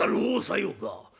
「おおさようか。